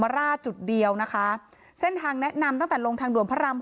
ร่าจุดเดียวนะคะเส้นทางแนะนำตั้งแต่ลงทางด่วนพระราม๖